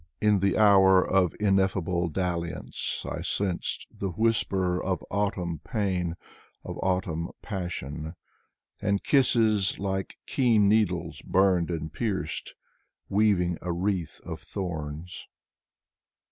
In the hour of ineffable dalliance I sensed the whisper Of autumn pain, of autumn passion. And kisses like keen needles Burned and pierced, Weaving a wreath of thorns.